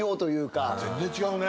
全然違うね。